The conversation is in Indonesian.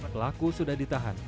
pelaku sudah ditahan